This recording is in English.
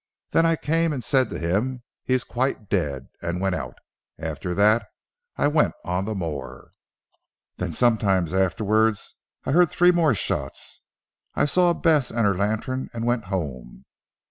Then I came and said to him 'He is quite dead,' and went out. After that I went on the moor. Then some time afterwards I heard three more shots. I saw Bess and her lantern and went home."